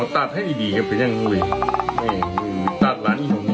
ไม่ตัดร้านอีกห่วงยังไงอยู่นี่